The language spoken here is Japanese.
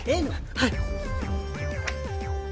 はい。